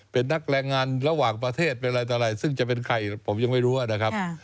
เป็นนักแรงงานระหว่างประเทศเป็นอะไรต่ออะไรซึ่งจะเป็นใครผมยังไม่รู้นะครับ